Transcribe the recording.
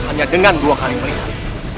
hanya dengan dua kali melihat